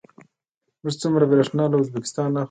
موږ څومره بریښنا له ازبکستان اخلو؟